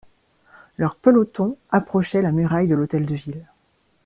Leurs pelotons approchaient la muraille de l'Hôtel de Ville.